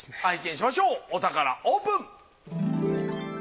拝見しましょうお宝オープン！